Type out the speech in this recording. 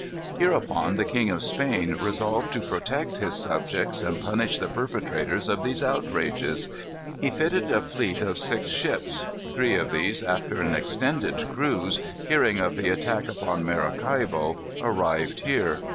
"Hereupon the King of Spain resolved to protect his subjects and punish the perpetrators of these outrages. He fitted a fleet of six ships. Three of these, after an extended cruise, hearing of the attack upon Maracaibo, arrived here.